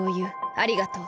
ありがとう。